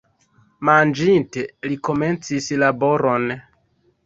Manĝinte, li komencis laboron.